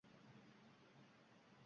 Nima deb o‘ylaysiz, janob Brauver